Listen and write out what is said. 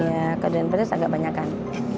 iya kalau doen pedas agak banyak kan